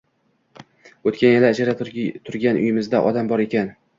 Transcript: O‘tgan yili ijara turgan uyimizda odam bor ekan.